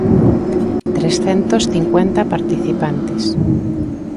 Trescentos cincuenta participantes.